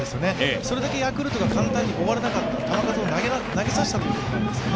それだけヤクルトが簡単に終わらなかった、球数を投げさせたということなんですよね。